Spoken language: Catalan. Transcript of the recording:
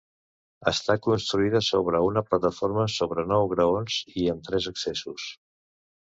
Està construïda sobre una plataforma sobre nou graons, i amb tres accessos.